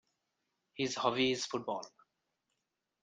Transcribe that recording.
His hobby is football.